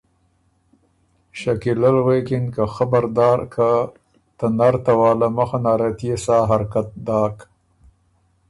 شکیلۀ ل غوېکِن که خبردار که ته نر ته واله مُخه نرت يې سا حرکت داک۔